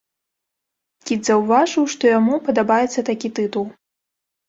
Кіт заўважыў, што яму падабаецца такі тытул.